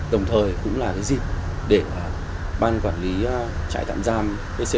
đồng thời cũng là dịp để ban quản lý trại tạm giam bc một mươi một